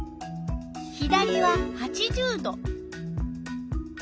左は８０℃。